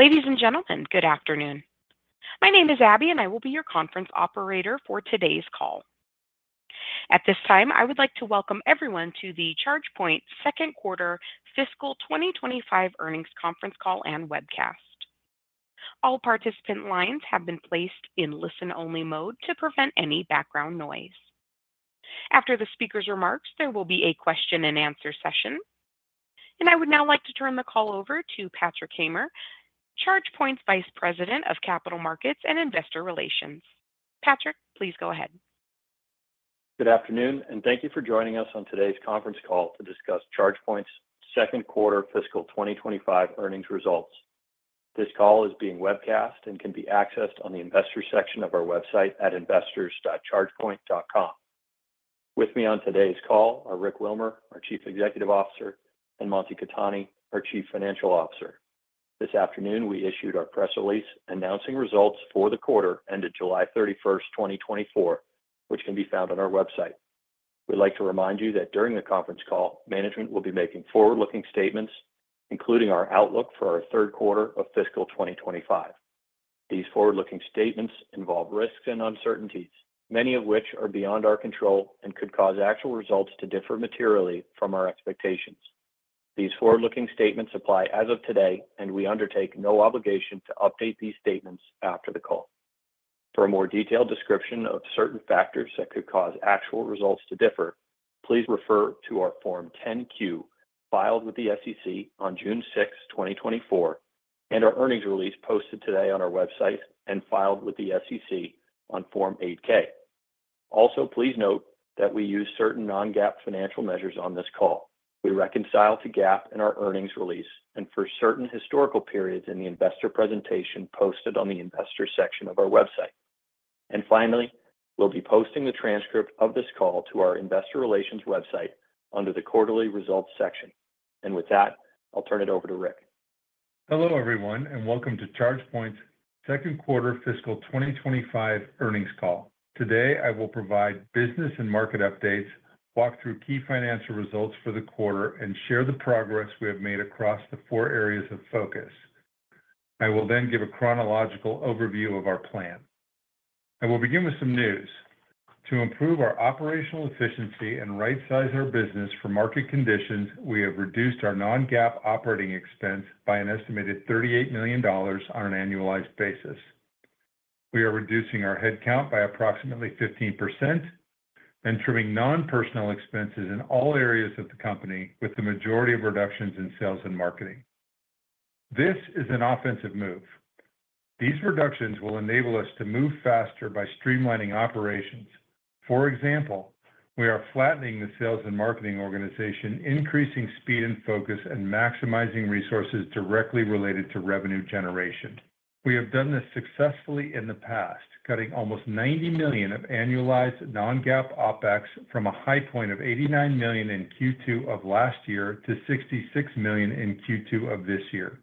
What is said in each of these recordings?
Ladies and gentlemen, good afternoon. My name is Abby, and I will be your conference operator for today's call. At this time, I would like to welcome everyone to the ChargePoint Second Quarter Fiscal Twenty Twenty-Five Earnings Conference Call and Webcast. All participant lines have been placed in listen-only mode to prevent any background noise. After the speaker's remarks, there will be a question-and-answer session. And I would now like to turn the call over to Patrick Hamer, ChargePoint's Vice President of Capital Markets and Investor Relations. Patrick, please go ahead. Good afternoon, and thank you for joining us on today's conference call to discuss ChargePoint's second quarter fiscal twenty twenty-five earnings results. This call is being webcast and can be accessed on the investor section of our website at investors.chargepoint.com. With me on today's call are Rick Wilmer, our Chief Executive Officer, and Mansi Khetani, our Chief Financial Officer. This afternoon, we issued our press release announcing results for the quarter ended July thirty-first, twenty twenty-four, which can be found on our website. We'd like to remind you that during the conference call, management will be making forward-looking statements, including our outlook for our third quarter of fiscal twenty twenty-five. These forward-looking statements involve risks and uncertainties, many of which are beyond our control and could cause actual results to differ materially from our expectations. These forward-looking statements apply as of today, and we undertake no obligation to update these statements after the call. For a more detailed description of certain factors that could cause actual results to differ, please refer to our Form 10-Q, filed with the SEC on June sixth, twenty twenty-four, and our earnings release posted today on our website and filed with the SEC on Form 8-K. Also, please note that we use certain non-GAAP financial measures on this call. We reconcile to GAAP in our earnings release and for certain historical periods in the investor presentation posted on the investor section of our website. And finally, we'll be posting the transcript of this call to our investor relations website under the Quarterly Results section. And with that, I'll turn it over to Rick. Hello, everyone, and welcome to ChargePoint's second quarter fiscal twenty twenty-five earnings call. Today, I will provide business and market updates, walk through key financial results for the quarter, and share the progress we have made across the four areas of focus. I will then give a chronological overview of our plan. I will begin with some news. To improve our operational efficiency and right-size our business for market conditions, we have reduced our non-GAAP operating expense by an estimated $38 million on an annualized basis. We are reducing our headcount by approximately 15% and trimming non-personnel expenses in all areas of the company, with the majority of reductions in sales and marketing. This is an offensive move. These reductions will enable us to move faster by streamlining operations. For example, we are flattening the sales and marketing organization, increasing speed and focus, and maximizing resources directly related to revenue generation. We have done this successfully in the past, cutting almost $90 million of annualized non-GAAP OpEx from a high point of $89 million in Q2 of last year to $66 million in Q2 of this year,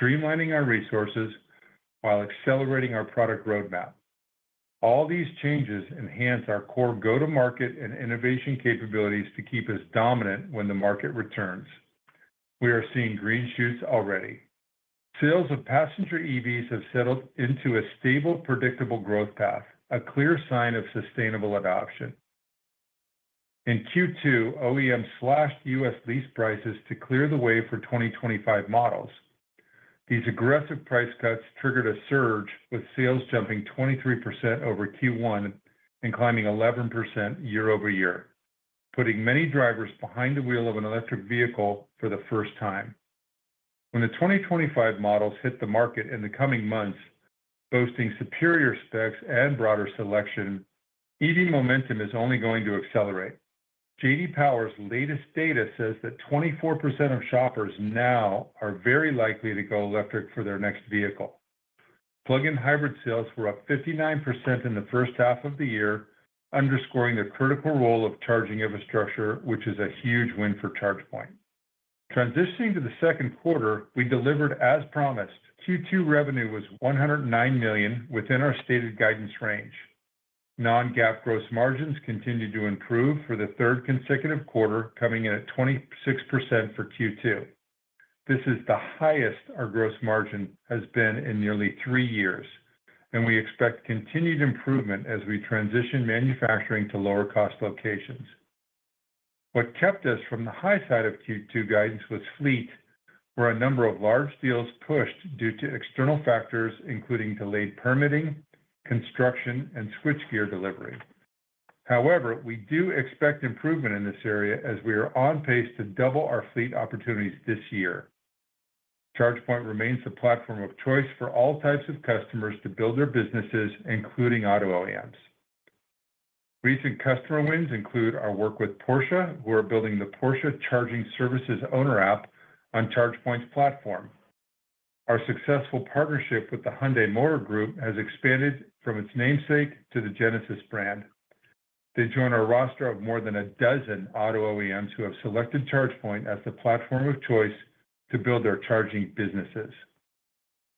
streamlining our resources while accelerating our product roadmap. All these changes enhance our core go-to-market and innovation capabilities to keep us dominant when the market returns. We are seeing green shoots already. Sales of passenger EVs have settled into a stable, predictable growth path, a clear sign of sustainable adoption. In Q2, OEM slashed U.S. lease prices to clear the way for 2025 models. These aggressive price cuts triggered a surge, with sales jumping 23% over Q1 and climbing 11% year-over-year, putting many drivers behind the wheel of an electric vehicle for the first time. When the 2025 models hit the market in the coming months, boasting superior specs and broader selection, EV momentum is only going to accelerate. J.D. Power's latest data says that 24% of shoppers now are very likely to go electric for their next vehicle. Plug-in hybrid sales were up 59% in the first half of the year, underscoring the critical role of charging infrastructure, which is a huge win for ChargePoint. Transitioning to the second quarter, we delivered as promised. Q2 revenue was $109 million within our stated guidance range. Non-GAAP gross margins continued to improve for the third consecutive quarter, coming in at 26% for Q2. This is the highest our gross margin has been in nearly three years, and we expect continued improvement as we transition manufacturing to lower-cost locations. What kept us from the high side of Q2 guidance was fleet, where a number of large deals pushed due to external factors, including delayed permitting, construction, and switchgear delivery. However, we do expect improvement in this area as we are on pace to double our fleet opportunities this year. ChargePoint remains the platform of choice for all types of customers to build their businesses, including auto OEMs. Recent customer wins include our work with Porsche, who are building the Porsche Charging Services owner app on ChargePoint's platform. Our successful partnership with the Hyundai Motor Group has expanded from its namesake to the Genesis brand. They join our roster of more than a dozen auto OEMs who have selected ChargePoint as the platform of choice to build their charging businesses.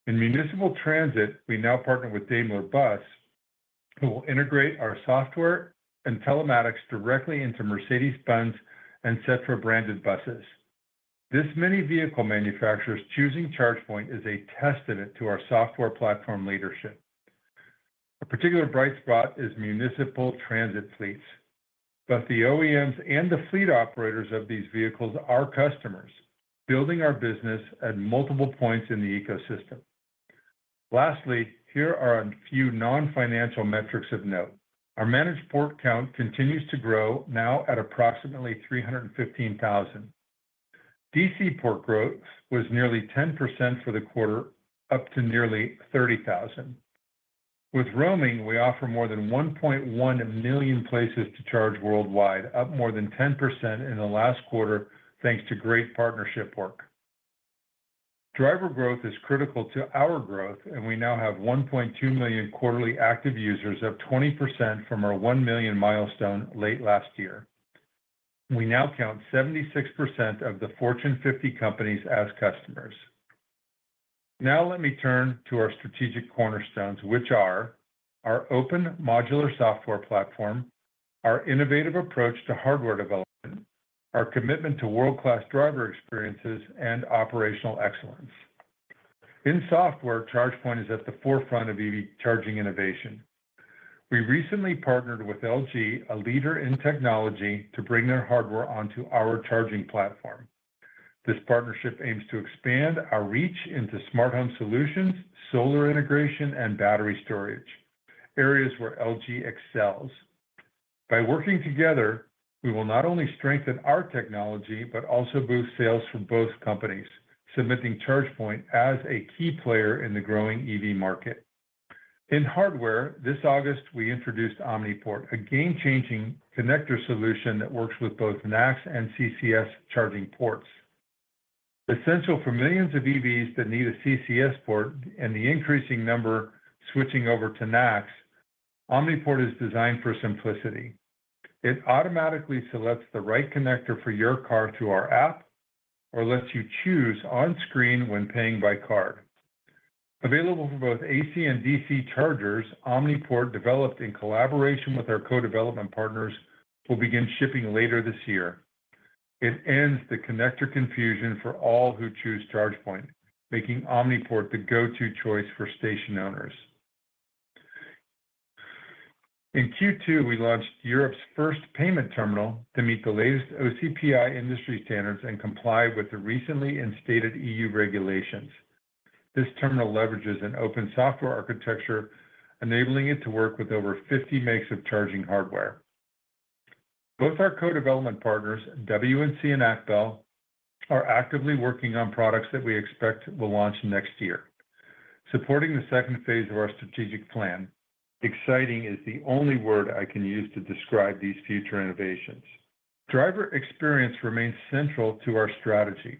In municipal transit, we now partner with Daimler Buses, who will integrate our software and telematics directly into Mercedes-Benz and Setra branded buses. This many vehicle manufacturers choosing ChargePoint is a testament to our software platform leadership. A particular bright spot is municipal transit fleets. Both the OEMs and the fleet operators of these vehicles are customers, building our business at multiple points in the ecosystem. Lastly, here are a few non-financial metrics of note. Our managed port count continues to grow, now at approximately 315,000. DC port growth was nearly 10% for the quarter, up to nearly 30,000. With roaming, we offer more than 1.1 million places to charge worldwide, up more than 10% in the last quarter, thanks to great partnership work. Driver growth is critical to our growth, and we now have 1.2 million quarterly active users, up 20% from our 1 million milestone late last year. We now count 76% of the Fortune 50 companies as customers. Now let me turn to our strategic cornerstones, which are: our open modular software platform, our innovative approach to hardware development, our commitment to world-class driver experiences, and operational excellence. In software, ChargePoint is at the forefront of EV charging innovation. We recently partnered with LG, a leader in technology, to bring their hardware onto our charging platform. This partnership aims to expand our reach into smart home solutions, solar integration, and battery storage, areas where LG excels. By working together, we will not only strengthen our technology, but also boost sales for both companies, cementing ChargePoint as a key player in the growing EV market. In hardware, this August, we introduced Omni Port, a game-changing connector solution that works with both NACS and CCS charging ports. Essential for millions of EVs that need a CCS port and the increasing number switching over to NACS, Omni Port is designed for simplicity. It automatically selects the right connector for your car through our app or lets you choose on screen when paying by card. Available for both AC and DC chargers, Omni Port, developed in collaboration with our co-development partners, will begin shipping later this year. It ends the connector confusion for all who choose ChargePoint, making Omni Port the go-to choice for station owners. In Q2, we launched Europe's first payment terminal to meet the latest OCPI industry standards and comply with the recently instituted EU regulations. This terminal leverages an open software architecture, enabling it to work with over 50 makes of charging hardware. Both our co-development partners, WNC and AcBel, are actively working on products that we expect will launch next year, supporting the second phase of our strategic plan. Exciting is the only word I can use to describe these future innovations. Driver experience remains central to our strategy.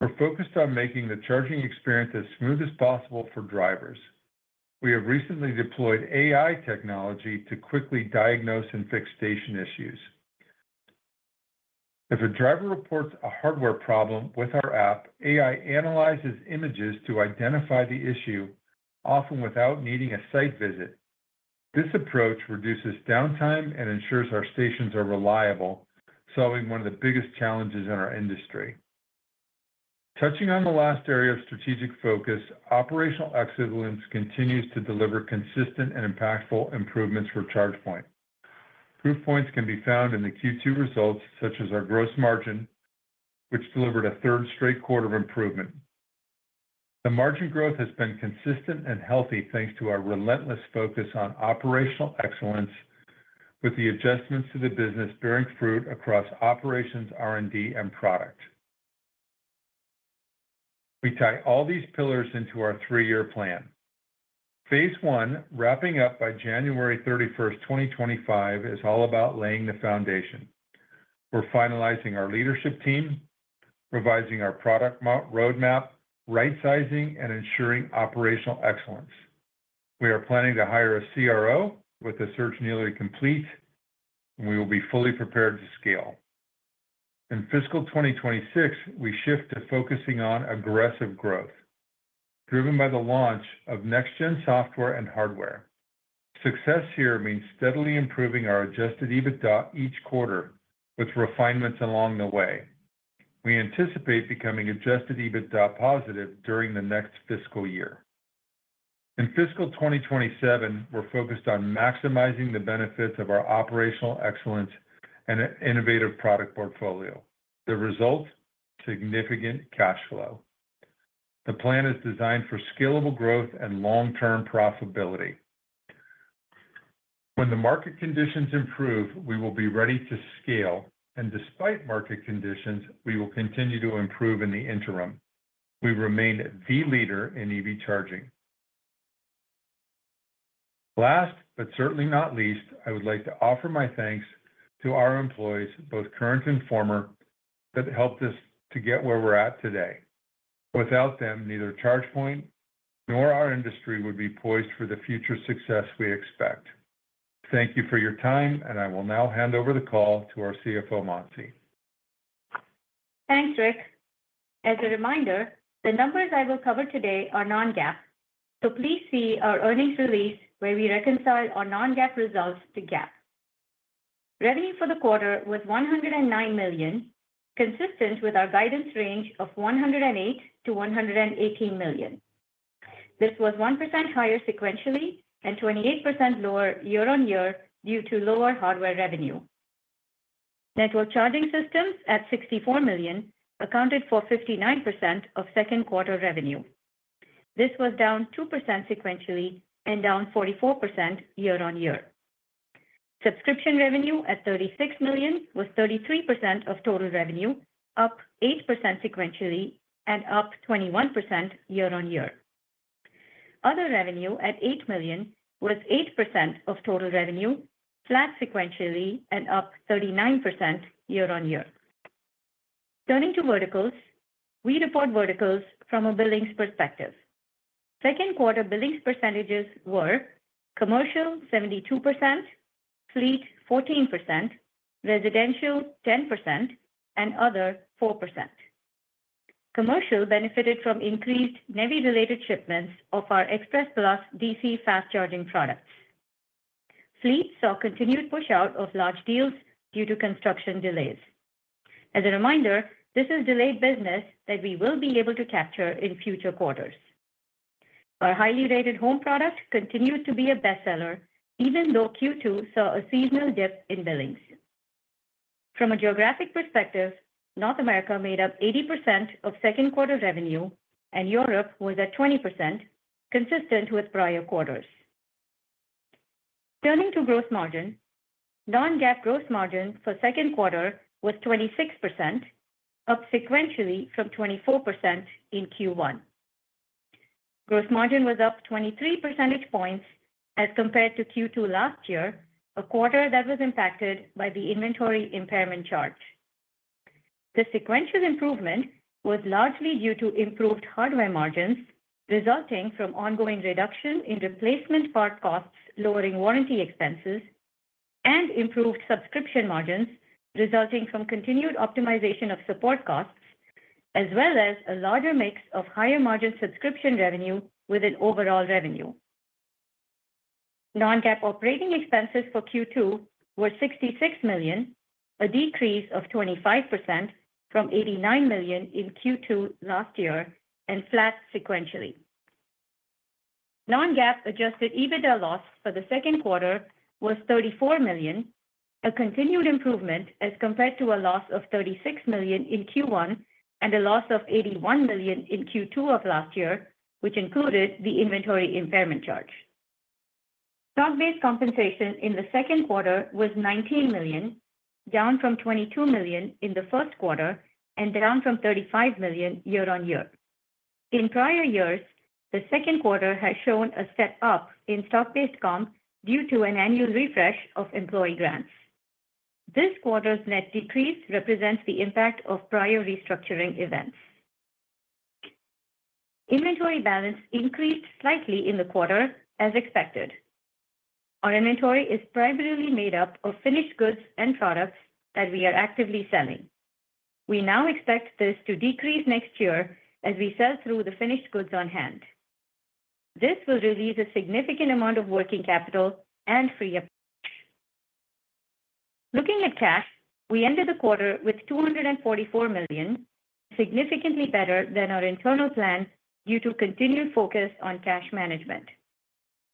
We're focused on making the charging experience as smooth as possible for drivers. We have recently deployed AI technology to quickly diagnose and fix station issues. If a driver reports a hardware problem with our app, AI analyzes images to identify the issue, often without needing a site visit. This approach reduces downtime and ensures our stations are reliable, solving one of the biggest challenges in our industry. Touching on the last area of strategic focus, operational excellence continues to deliver consistent and impactful improvements for ChargePoint. Proof points can be found in the Q2 results, such as our gross margin, which delivered a third straight quarter of improvement. The margin growth has been consistent and healthy, thanks to our relentless focus on operational excellence, with the adjustments to the business bearing fruit across operations, R&D, and product. We tie all these pillars into our three-year plan. Phase one, wrapping up by January thirty-first, 2025, is all about laying the foundation. We're finalizing our leadership team, revising our product roadmap, right sizing, and ensuring operational excellence. We are planning to hire a CRO. With the search nearly complete, we will be fully prepared to scale. In fiscal 2026, we shift to focusing on aggressive growth, driven by the launch of next-gen software and hardware. Success here means steadily improving our Adjusted EBITDA each quarter, with refinements along the way. We anticipate becoming Adjusted EBITDA positive during the next fiscal year. In fiscal 2027, we're focused on maximizing the benefits of our operational excellence and innovative product portfolio. The result, significant cash flow. The plan is designed for scalable growth and long-term profitability. When the market conditions improve, we will be ready to scale, and despite market conditions, we will continue to improve in the interim. We remain the leader in EV charging. Last, but certainly not least, I would like to offer my thanks to our employees, both current and former, that helped us to get where we're at today. Without them, neither ChargePoint nor our industry would be poised for the future success we expect. Thank you for your time, and I will now hand over the call to our CFO, Mansi.... Thanks, Rick. As a reminder, the numbers I will cover today are non-GAAP, so please see our earnings release where we reconcile our non-GAAP results to GAAP. Revenue for the quarter was $109 million, consistent with our guidance range of $108 million-$118 million. This was 1% higher sequentially and 28% lower year-on-year due to lower hardware revenue. Network charging systems at $64 million accounted for 59% of second quarter revenue. This was down 2% sequentially and down 44% year-on-year. Subscription revenue at $36 million was 33% of total revenue, up 8% sequentially and up 21% year-on-year. Other revenue at $8 million was 8% of total revenue, flat sequentially and up 39% year-on-year. Turning to verticals, we report verticals from a billings perspective. Second quarter billings percentages were: commercial, 72%; fleet, 14%; residential, 10%; and other, 4%. Commercial benefited from increased NEVI-related shipments of our Express Plus DC fast charging products. Fleet saw continued push out of large deals due to construction delays. As a reminder, this is delayed business that we will be able to capture in future quarters. Our highly rated home product continued to be a bestseller, even though Q2 saw a seasonal dip in billings. From a geographic perspective, North America made up 80% of second quarter revenue and Europe was at 20%, consistent with prior quarters. Turning to gross margin. Non-GAAP gross margin for second quarter was 26%, up sequentially from 24% in Q1. Gross margin was up 23 percentage points as compared to Q2 last year, a quarter that was impacted by the inventory impairment charge. The sequential improvement was largely due to improved hardware margins, resulting from ongoing reduction in replacement part costs, lowering warranty expenses, and improved subscription margins, resulting from continued optimization of support costs, as well as a larger mix of higher margin subscription revenue within overall revenue. Non-GAAP operating expenses for Q2 were $66 million, a decrease of 25% from $89 million in Q2 last year, and flat sequentially. Non-GAAP Adjusted EBITDA loss for the second quarter was $34 million, a continued improvement as compared to a loss of $36 million in Q1 and a loss of $81 million in Q2 of last year, which included the inventory impairment charge. Stock-based compensation in the second quarter was $19 million, down from $22 million in the first quarter and down from $35 million year-on-year. In prior years, the second quarter has shown a step up in stock-based comp due to an annual refresh of employee grants. This quarter's net decrease represents the impact of prior restructuring events. Inventory balance increased slightly in the quarter, as expected. Our inventory is primarily made up of finished goods and products that we are actively selling. We now expect this to decrease next year as we sell through the finished goods on hand. This will release a significant amount of working capital and free up cash. Looking at cash, we ended the quarter with $244 million, significantly better than our internal plan due to continued focus on cash management.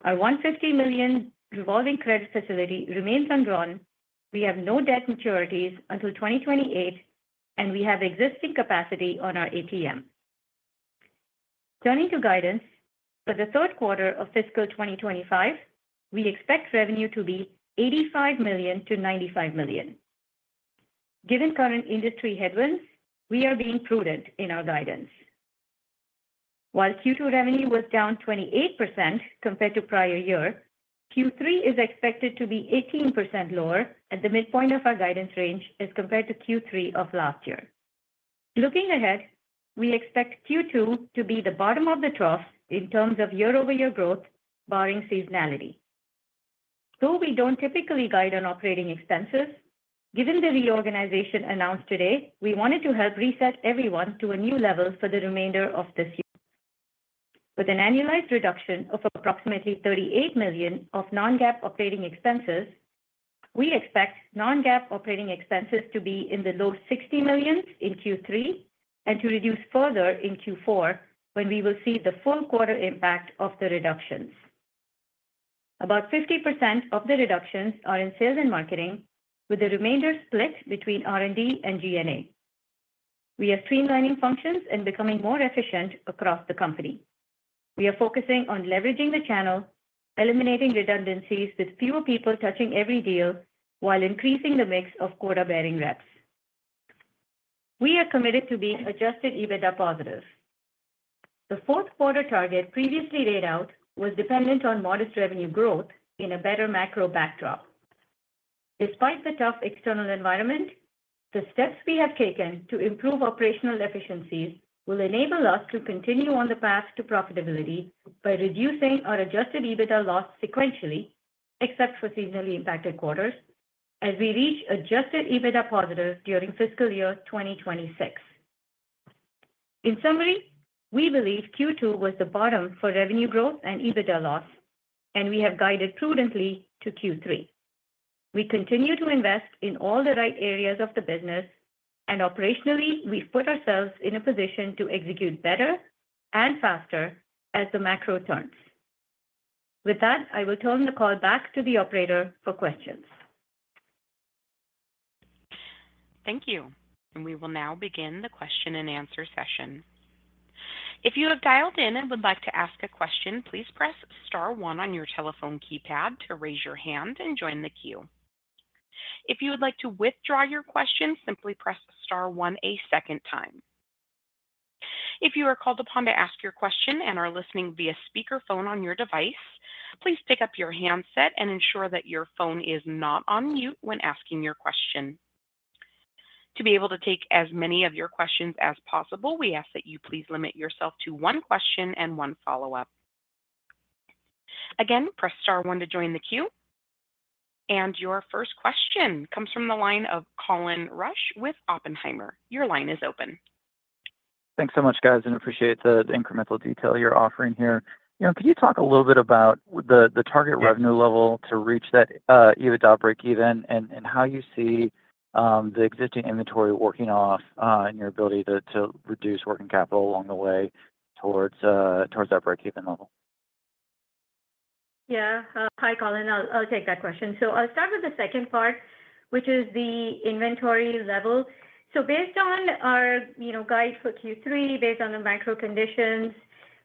Our $150 million revolving credit facility remains undrawn. We have no debt maturities until 2028, and we have existing capacity on our ATM. Turning to guidance, for the third quarter of fiscal 2025, we expect revenue to be $85 million-$95 million. Given current industry headwinds, we are being prudent in our guidance. While Q2 revenue was down 28% compared to prior year, Q3 is expected to be 18% lower at the midpoint of our guidance range as compared to Q3 of last year. Looking ahead, we expect Q2 to be the bottom of the trough in terms of year-over-year growth, barring seasonality. Though we don't typically guide on operating expenses, given the reorganization announced today, we wanted to help reset everyone to a new level for the remainder of this year. With an annualized reduction of approximately $38 million of Non-GAAP operating expenses, we expect Non-GAAP operating expenses to be in the low $60 million in Q3 and to reduce further in Q4, when we will see the full quarter impact of the reductions. About 50% of the reductions are in sales and marketing, with the remainder split between R&D and G&A. We are streamlining functions and becoming more efficient across the company. We are focusing on leveraging the channel, eliminating redundancies with fewer people touching every deal while increasing the mix of quota-bearing reps. We are committed to being Adjusted EBITDA positive. The fourth quarter target previously laid out was dependent on modest revenue growth in a better macro backdrop. Despite the tough external environment, the steps we have taken to improve operational efficiencies will enable us to continue on the path to profitability by reducing our Adjusted EBITDA loss sequentially... except for seasonally impacted quarters, as we reach Adjusted EBITDA positive during fiscal year 2026. In summary, we believe Q2 was the bottom for revenue growth and EBITDA loss, and we have guided prudently to Q3. We continue to invest in all the right areas of the business, and operationally, we've put ourselves in a position to execute better and faster as the macro turns. With that, I will turn the call back to the operator for questions. Thank you, and we will now begin the question and answer session. If you have dialed in and would like to ask a question, please press star one on your telephone keypad to raise your hand and join the queue. If you would like to withdraw your question, simply press star one a second time. If you are called upon to ask your question and are listening via speakerphone on your device, please pick up your handset and ensure that your phone is not on mute when asking your question. To be able to take as many of your questions as possible, we ask that you please limit yourself to one question and one follow-up. Again, press star one to join the queue, and your first question comes from the line of Colin Rusch with Oppenheimer. Your line is open. Thanks so much, guys, and appreciate the incremental detail you're offering here. You know, can you talk a little bit about the target revenue level to reach that EBITDA breakeven and how you see the existing inventory working off, and your ability to reduce working capital along the way towards that breakeven level? Yeah. Hi, Colin. I'll take that question. So I'll start with the second part, which is the inventory level. So based on our, you know, guide for Q3, based on the macro conditions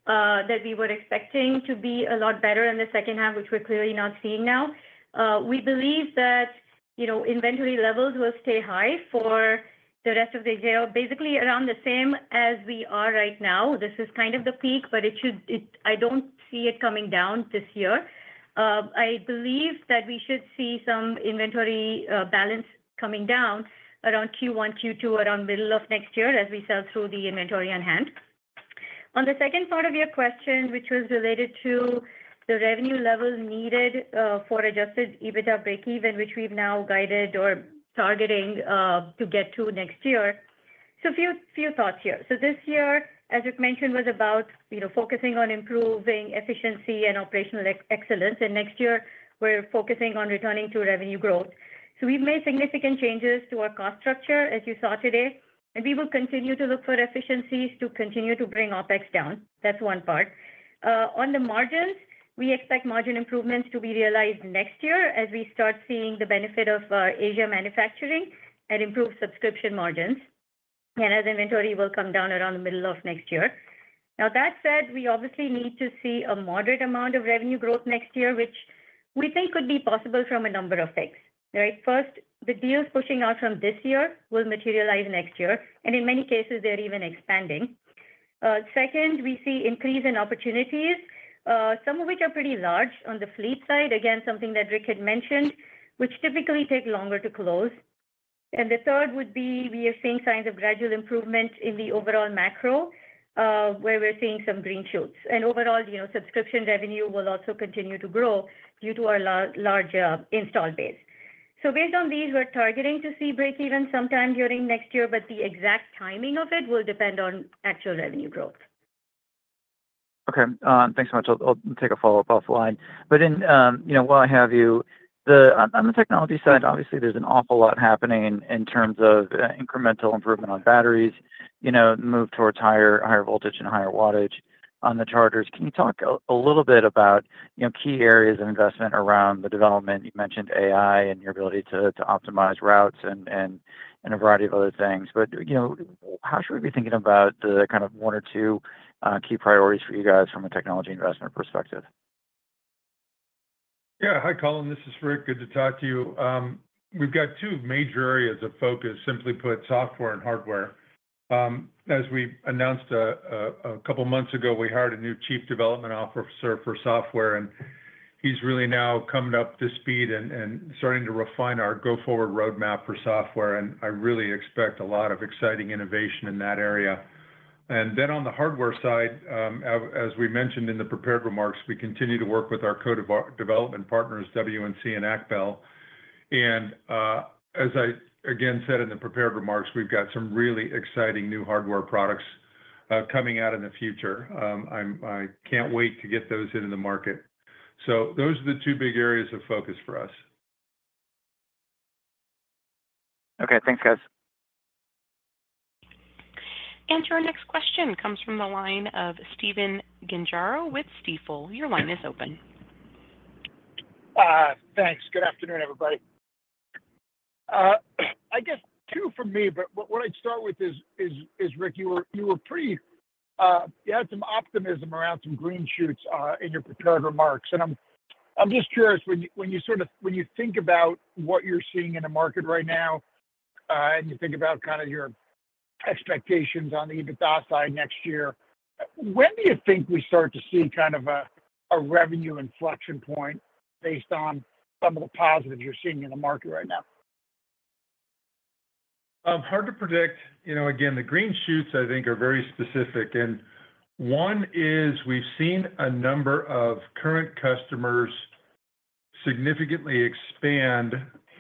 that we were expecting to be a lot better in the second half, which we're clearly not seeing now, we believe that, you know, inventory levels will stay high for the rest of the year, basically around the same as we are right now. This is kind of the peak, but it should. I don't see it coming down this year. I believe that we should see some inventory balance coming down around Q1, Q2, around middle of next year as we sell through the inventory on hand. On the second part of your question, which was related to the revenue level needed for Adjusted EBITDA breakeven, which we've now guided or targeting to get to next year. So a few thoughts here. So this year, as you've mentioned, was about, you know, focusing on improving efficiency and operational excellence, and next year, we're focusing on returning to revenue growth. So we've made significant changes to our cost structure, as you saw today, and we will continue to look for efficiencies to continue to bring OpEx down. That's one part. On the margins, we expect margin improvements to be realized next year as we start seeing the benefit of Asia manufacturing and improved subscription margins, and as inventory will come down around the middle of next year. Now, that said, we obviously need to see a moderate amount of revenue growth next year, which we think could be possible from a number of things, right? First, the deals pushing out from this year will materialize next year, and in many cases, they're even expanding. Second, we see increase in opportunities, some of which are pretty large on the fleet side. Again, something that Rick had mentioned, which typically take longer to close. And the third would be, we are seeing signs of gradual improvement in the overall macro, where we're seeing some green shoots. And overall, you know, subscription revenue will also continue to grow due to our larger install base. So based on these, we're targeting to see breakeven sometime during next year, but the exact timing of it will depend on actual revenue growth. Okay. Thanks so much. I'll take a follow-up off the line. But in, you know, while I have you, on the technology side, obviously there's an awful lot happening in terms of, incremental improvement on batteries, you know, move towards higher voltage and higher wattage on the chargers. Can you talk a little bit about, you know, key areas of investment around the development? You mentioned AI and your ability to optimize routes and a variety of other things. But, you know, how should we be thinking about the kind of one or two, key priorities for you guys from a technology investment perspective? Yeah. Hi, Colin, this is Rick. Good to talk to you. We've got two major areas of focus, simply put, software and hardware. As we announced a couple of months ago, we hired a new Chief Development Officer for software, and he's really now coming up to speed and starting to refine our go-forward roadmap for software, and I really expect a lot of exciting innovation in that area. And then on the hardware side, as we mentioned in the prepared remarks, we continue to work with our development partners, WNC and AcBel. And as I again said in the prepared remarks, we've got some really exciting new hardware products coming out in the future. I can't wait to get those into the market. So those are the two big areas of focus for us. Okay. Thanks, guys. Our next question comes from the line of Stephen Gengaro with Stifel. Your line is open. Thanks. Good afternoon, everybody. I guess two from me, but what I'd start with is, Rick, you were pretty... you had some optimism around some green shoots in your prepared remarks, and I'm just curious, when you sort of-- when you think about what you're seeing in the market right now, and you think about kind of your expectations on the EBITDA side next year, when do you think we start to see kind of a revenue inflection point based on some of the positives you're seeing in the market right now?... Hard to predict. You know, again, the green shoots, I think, are very specific, and one is we've seen a number of current customers significantly expand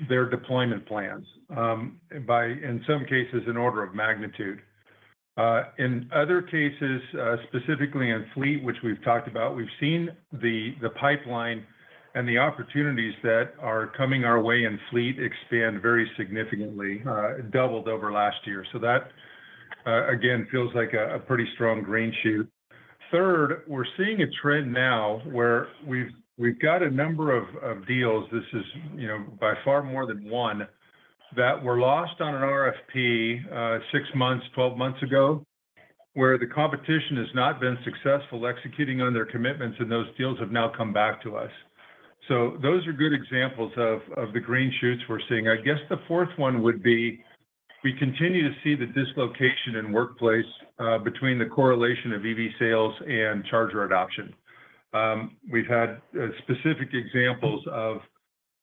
their deployment plans, by, in some cases, an order of magnitude. In other cases, specifically in fleet, which we've talked about, we've seen the pipeline and the opportunities that are coming our way in fleet expand very significantly, doubled over last year. So that, again, feels like a pretty strong green shoot. Third, we're seeing a trend now where we've got a number of deals, this is, you know, by far more than one, that were lost on an RFP, six months, 12 months ago, where the competition has not been successful executing on their commitments, and those deals have now come back to us. So those are good examples of the green shoots we're seeing. I guess the fourth one would be, we continue to see the dislocation in workplace between the correlation of EV sales and charger adoption. We've had specific examples of,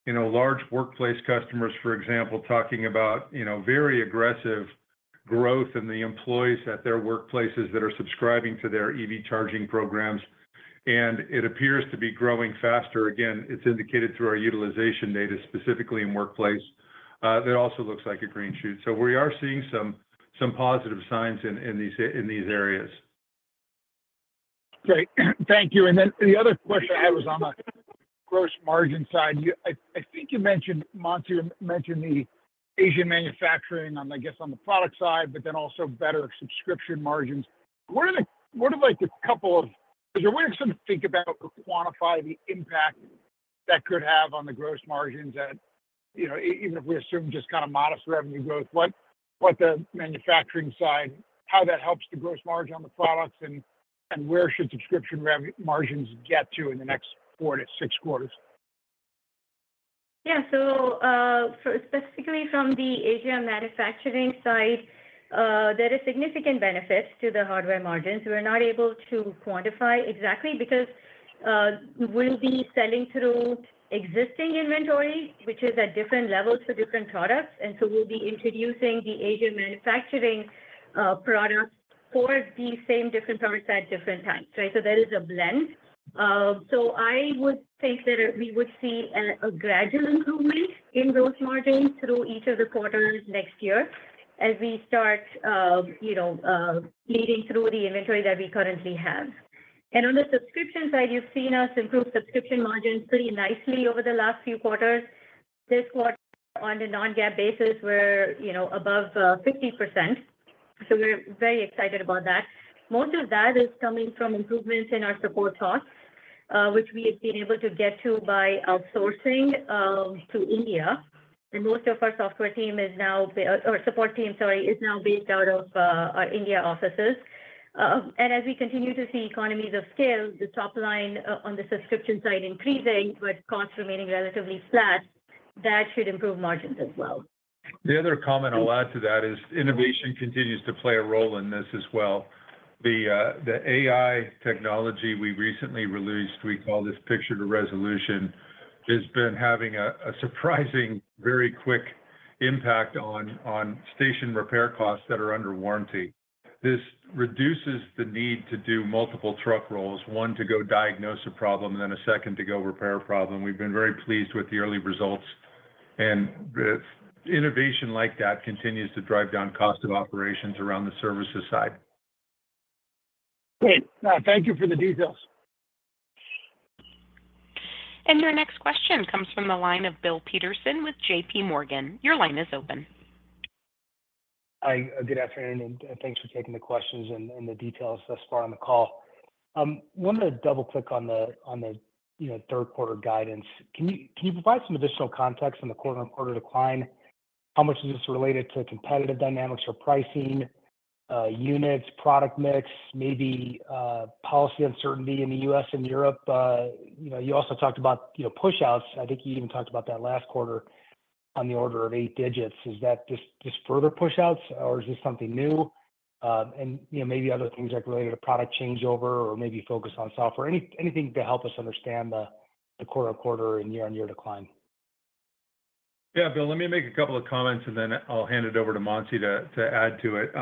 you know, large workplace customers, for example, talking about, you know, very aggressive growth in the employees at their workplaces that are subscribing to their EV charging programs, and it appears to be growing faster. Again, it's indicated through our utilization data, specifically in workplace. That also looks like a green shoot. So we are seeing some positive signs in these areas. Great. Thank you. And then the other question I had was on the gross margin side. You, I think you mentioned, Mansi, you mentioned the Asian manufacturing on, I guess, on the product side, but then also better subscription margins. What are, like, a couple of... So you're wanting us to think about or quantify the impact that could have on the gross margins that, you know, even if we assume just kind of modest revenue growth, what the manufacturing side, how that helps the gross margin on the products and where should subscription revenue margins get to in the next quarter to six quarters? Yeah. So, so specifically from the Asian manufacturing side, there is significant benefits to the hardware margins. We're not able to quantify exactly because, we'll be selling through existing inventory, which is at different levels for different products. And so we'll be introducing the Asian manufacturing, products for the same different products at different times, right? So there is a blend. So I would think that we would see a gradual improvement in those margins through each of the quarters next year as we start, you know, leading through the inventory that we currently have. And on the subscription side, you've seen us improve subscription margins pretty nicely over the last few quarters. This quarter, on a non-GAAP basis, we're, you know, above 50%, so we're very excited about that. Most of that is coming from improvements in our support costs, which we have been able to get to by outsourcing to India, and most of our software team is now, or support team, sorry, is now based out of our India offices, and as we continue to see economies of scale, the top line on the subscription side increasing, but costs remaining relatively flat, that should improve margins as well. The other comment I'll add to that is innovation continues to play a role in this as well. The AI technology we recently released, we call this Picture to Resolution, has been having a surprising, very quick impact on station repair costs that are under warranty. This reduces the need to do multiple truck rolls, one to go diagnose a problem, then a second to go repair a problem. We've been very pleased with the early results, and the innovation like that continues to drive down cost of operations around the services side. Great. Thank you for the details. And your next question comes from the line of Bill Peterson with J.P. Morgan. Your line is open. Hi, good afternoon, and thanks for taking the questions and the details thus far on the call. Wanted to double-click on the, you know, third quarter guidance. Can you provide some additional context on the quarter-on-quarter decline? How much is this related to competitive dynamics or pricing, units, product mix, maybe, policy uncertainty in the U.S. and Europe? You know, you also talked about, you know, push-outs. I think you even talked about that last quarter on the order of eight digits. Is that just further pushouts or is this something new? And, you know, maybe other things, like related to product changeover or maybe focus on software. Anything to help us understand the quarter-on-quarter and year-on-year decline. Yeah, Bill, let me make a couple of comments, and then I'll hand it over to Mansi to add to it.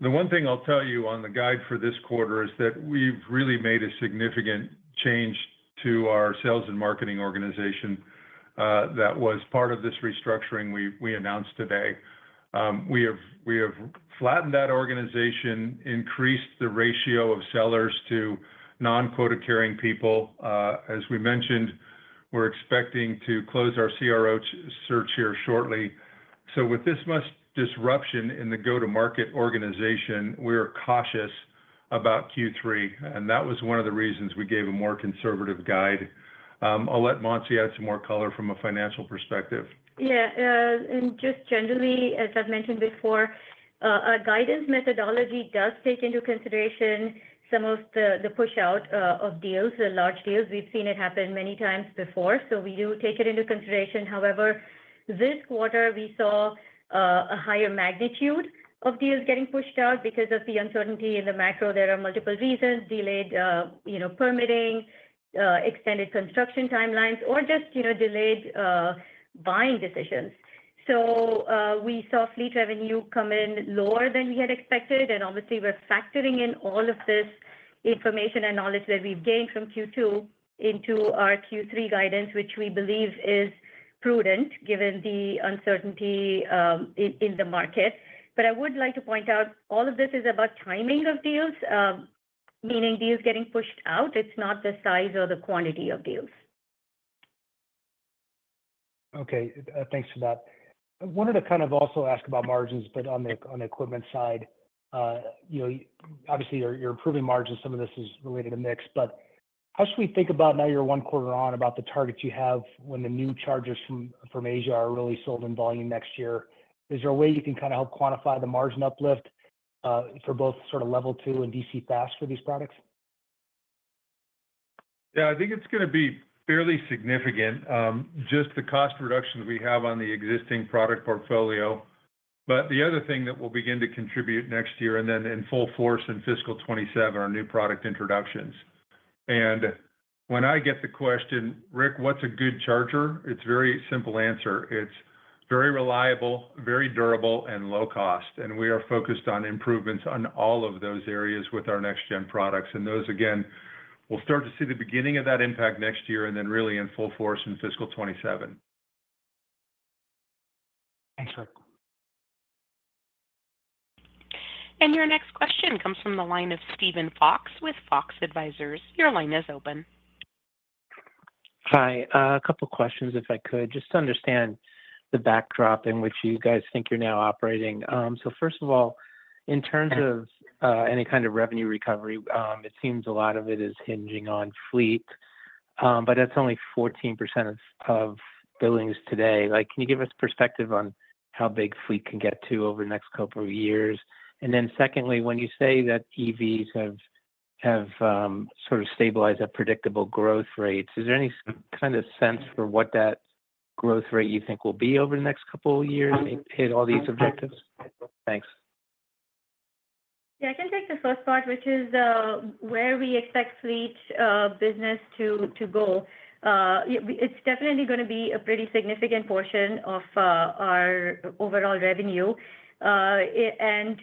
The one thing I'll tell you on the guide for this quarter is that we've really made a significant change to our sales and marketing organization, that was part of this restructuring we announced today. We have flattened that organization, increased the ratio of sellers to non-quota carrying people. As we mentioned, we're expecting to close our CRO search here shortly. So with this much disruption in the go-to-market organization, we're cautious about Q3, and that was one of the reasons we gave a more conservative guide. I'll let Mansi add some more color from a financial perspective. Yeah, and just generally, as I've mentioned before, a guidance methodology does take into consideration some of the pushout of deals, the large deals. We've seen it happen many times before, so we do take it into consideration. However, this quarter, we saw a higher magnitude of deals getting pushed out because of the uncertainty in the macro. There are multiple reasons: delayed, you know, permitting, extended construction timelines, or just, you know, delayed buying decisions. So, we saw fleet revenue come in lower than we had expected, and obviously, we're factoring in all of this information and knowledge that we've gained from Q2 into our Q3 guidance, which we believe is prudent, given the uncertainty in the market. But I would like to point out, all of this is about timing of deals, meaning deals getting pushed out. It's not the size or the quantity of deals. Okay, thanks for that. I wanted to kind of also ask about margins, but on the equipment side. You know, obviously, you're improving margins. Some of this is related to mix, but how should we think about now you're one quarter on about the targets you have when the new chargers from Asia are really sold in volume next year? Is there a way you can kinda help quantify the margin uplift for both sort of level two and DC fast for these products? Yeah, I think it's gonna be fairly significant, just the cost reduction that we have on the existing product portfolio. But the other thing that will begin to contribute next year, and then in full force in fiscal 2027, are new product introductions. And when I get the question, "Rick, what's a good charger?" It's very simple answer. It's very reliable, very durable, and low cost, and we are focused on improvements on all of those areas with our next gen products. And those, again, we'll start to see the beginning of that impact next year, and then really in full force in fiscal 2027. Thanks, Rick. And your next question comes from the line of Steven Fox with Fox Advisors. Your line is open. Hi, a couple questions, if I could, just to understand the backdrop in which you guys think you're now operating. So first of all, in terms of any kind of revenue recovery, it seems a lot of it is hinging on fleet, but that's only 14% of billings today. Like, can you give us perspective on how big fleet can get to over the next couple of years? And then secondly, when you say that EVs have sort of stabilized at predictable growth rates, is there any kind of sense for what that growth rate you think will be over the next couple of years to hit all these objectives? Thanks. Yeah, I can take the first part, which is where we expect fleet business to go. It's definitely gonna be a pretty significant portion of our overall revenue. I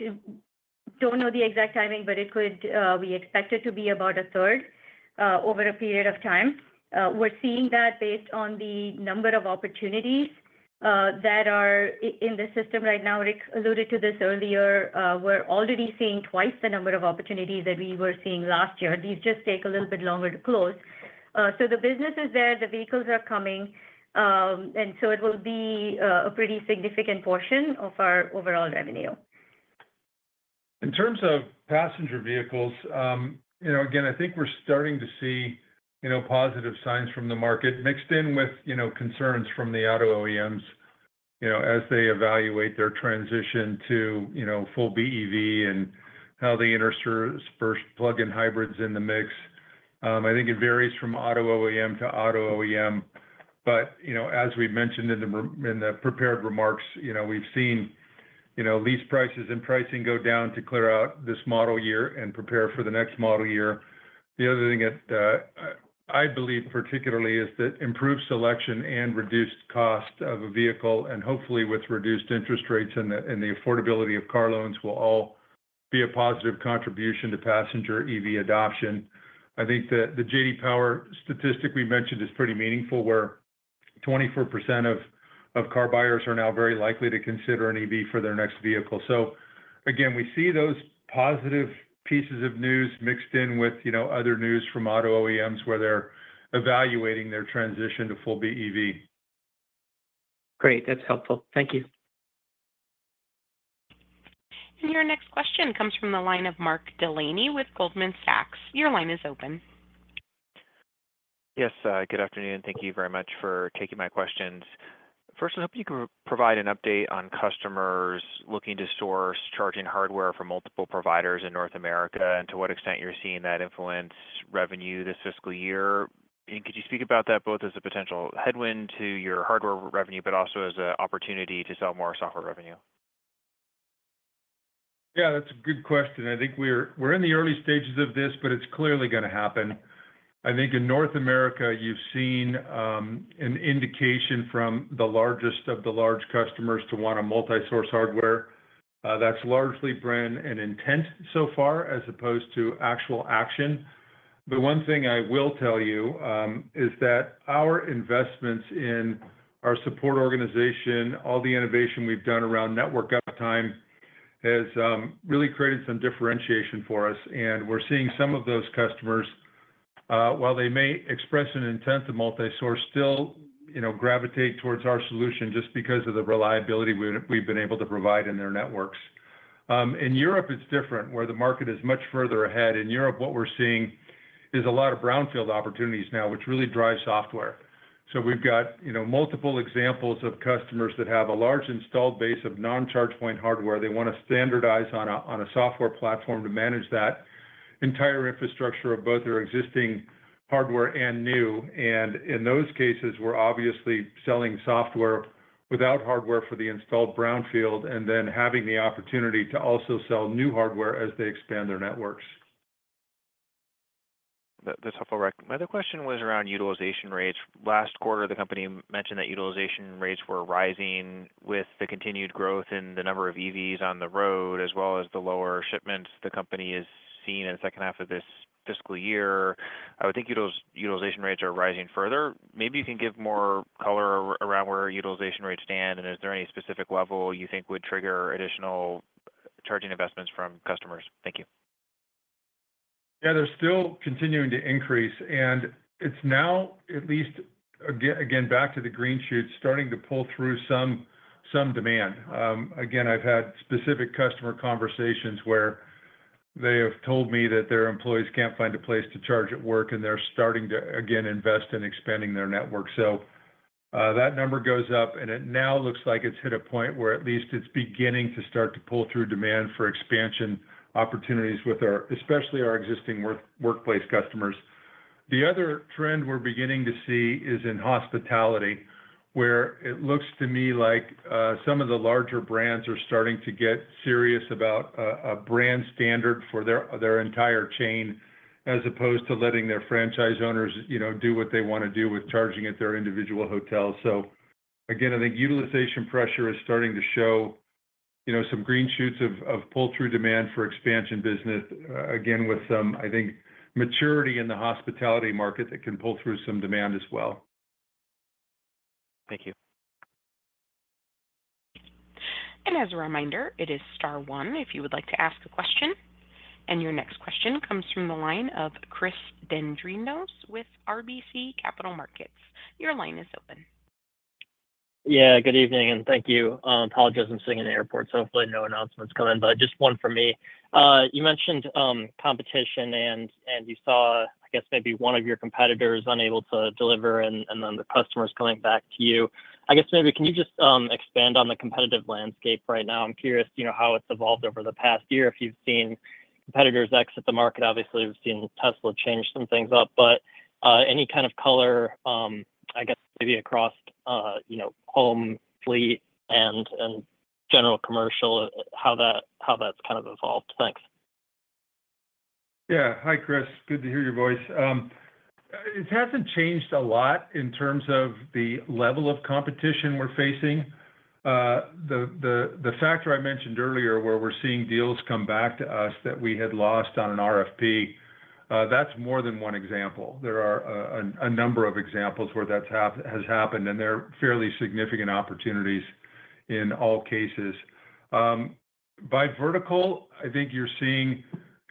don't know the exact timing, but we expect it to be about a third over a period of time. We're seeing that based on the number of opportunities that are in the system right now. Rick alluded to this earlier. We're already seeing twice the number of opportunities that we were seeing last year. These just take a little bit longer to close. So the business is there, the vehicles are coming, and so it will be a pretty significant portion of our overall revenue. In terms of passenger vehicles, you know, again, I think we're starting to see, you know, positive signs from the market mixed in with, you know, concerns from the auto OEMs, you know, as they evaluate their transition to, you know, full BEV and how they intersperse plug-in hybrids in the mix. I think it varies from auto OEM to auto OEM, but, you know, as we've mentioned in the prepared remarks, you know, we've seen, you know, lease prices and pricing go down to clear out this model year and prepare for the next model year. The other thing that I believe particularly is that improved selection and reduced cost of a vehicle, and hopefully with reduced interest rates and the, and the affordability of car loans, will all be a positive contribution to passenger EV adoption. I think the J.D. Power statistic we mentioned is pretty meaningful, where 24% of car buyers are now very likely to consider an EV for their next vehicle. So again, we see those positive pieces of news mixed in with, you know, other news from auto OEMs, where they're evaluating their transition to full BEV. Great. That's helpful. Thank you. And your next question comes from the line of Mark Delaney with Goldman Sachs. Your line is open. Yes, good afternoon. Thank you very much for taking my questions. First, I hope you can provide an update on customers looking to source charging hardware from multiple providers in North America, and to what extent you're seeing that influence revenue this fiscal year. And could you speak about that both as a potential headwind to your hardware revenue, but also as a opportunity to sell more software revenue? Yeah, that's a good question. I think we're in the early stages of this, but it's clearly gonna happen. I think in North America, you've seen an indication from the largest of the large customers to want a multi-source hardware. That's largely been an intent so far, as opposed to actual action. But one thing I will tell you is that our investments in our support organization, all the innovation we've done around network uptime, has really created some differentiation for us. And we're seeing some of those customers while they may express an intent to multi-source, still, you know, gravitate towards our solution just because of the reliability we've been able to provide in their networks. In Europe, it's different, where the market is much further ahead. In Europe, what we're seeing is a lot of brownfield opportunities now, which really drive software. So we've got, you know, multiple examples of customers that have a large installed base of non-ChargePoint hardware. They wanna standardize on a, on a software platform to manage that entire infrastructure of both their existing hardware and new. And in those cases, we're obviously selling software without hardware for the installed brownfield, and then having the opportunity to also sell new hardware as they expand their networks.... That, that's helpful, Rick. My other question was around utilization rates. Last quarter, the company mentioned that utilization rates were rising with the continued growth in the number of EVs on the road, as well as the lower shipments the company is seeing in the second half of this fiscal year. I would think utilization rates are rising further. Maybe you can give more color around where utilization rates stand, and is there any specific level you think would trigger additional charging investments from customers? Thank you. Yeah, they're still continuing to increase, and it's now at least, again, back to the green shoots, starting to pull through some demand. Again, I've had specific customer conversations where they have told me that their employees can't find a place to charge at work, and they're starting to again invest in expanding their network. So, that number goes up, and it now looks like it's hit a point where at least it's beginning to pull through demand for expansion opportunities with our, especially our existing workplace customers. The other trend we're beginning to see is in hospitality, where it looks to me like some of the larger brands are starting to get serious about a brand standard for their entire chain, as opposed to letting their franchise owners, you know, do what they wanna do with charging at their individual hotels. So again, I think utilization pressure is starting to show, you know, some green shoots of pull-through demand for expansion business, again, with some, I think, maturity in the hospitality market that can pull through some demand as well. Thank you. As a reminder, it is star one if you would like to ask a question. Your next question comes from the line of Chris Dendrinos with RBC Capital Markets. Your line is open. Yeah, good evening, and thank you. Apologies, I'm sitting in the airport, so hopefully no announcements come in, but just one for me. You mentioned competition and, and you saw, I guess, maybe one of your competitors unable to deliver, and, and then the customers coming back to you. I guess maybe can you just expand on the competitive landscape right now? I'm curious, you know, how it's evolved over the past year, if you've seen competitors exit the market. Obviously, we've seen Tesla change some things up, but any kind of color, I guess maybe across, you know, home, fleet, and, and general commercial, how that, how that's kind of evolved. Thanks. Yeah. Hi, Chris. Good to hear your voice. It hasn't changed a lot in terms of the level of competition we're facing. The factor I mentioned earlier, where we're seeing deals come back to us that we had lost on an RFP, that's more than one example. There are a number of examples where that's happened, and they're fairly significant opportunities in all cases. By vertical, I think you're seeing,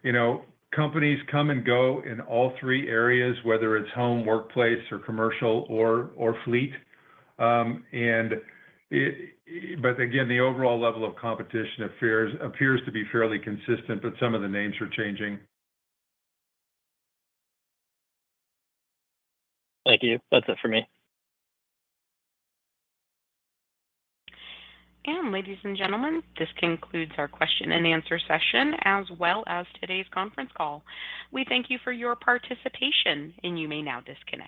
you know, companies come and go in all three areas, whether it's home, workplace, or commercial or fleet. But again, the overall level of competition appears to be fairly consistent, but some of the names are changing. Thank you. That's it for me. And ladies and gentlemen, this concludes our question-and-answer session, as well as today's conference call. We thank you for your participation, and you may now disconnect.